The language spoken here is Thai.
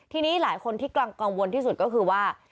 ทีนี้หลายคนที่กังวลที่สุดก็คือว่า